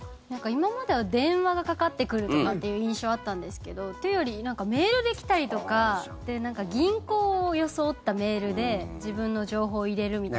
今までは電話がかかってくるとかっていう印象があったんですけどというより、メールで来たりとか銀行を装ったメールで自分の情報を入れるみたいな。